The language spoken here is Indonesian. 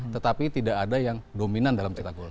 tetapi tidak ada yang dominan dalam cetak gol